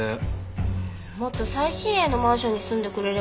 もっと最新鋭のマンションに住んでくれればいいのに。